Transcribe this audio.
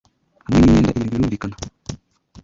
Hamwe nimyenda irindwi birumvikana